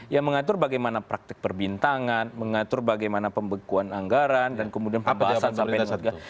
yang mengatur bagaimana praktik perbintangan mengatur bagaimana pembekuan anggaran dan kemudian pembahasan sampai dengan